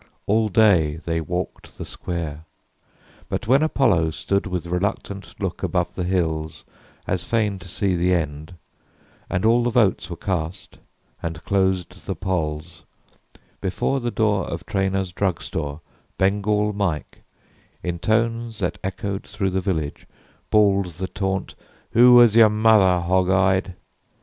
All day, they walked the square. But when Apollo Stood with reluctant look above the hills As fain to see the end, and all the votes Were cast, and closed the polls, before the door Of Trainor's drug store Bengal Mike, in tones That echoed through the village, bawled the taunt: "Who was your mother, hog—eyed?"